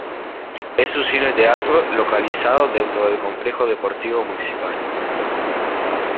Es un cine-teatro localizado dentro del Complejo Deportivo Municipal.